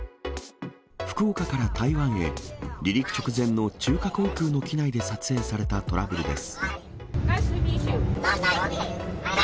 福岡から台湾へ離陸直前の中華航空の機内で撮影されたトラブルです。